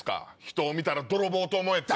「人を見たら泥棒と思え」って。